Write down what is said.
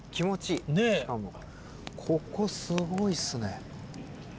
ここすごいっすね。